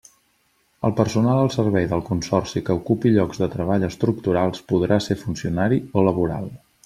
El personal al servei del Consorci que ocupi llocs de treball estructurals podrà ser funcionari o laboral.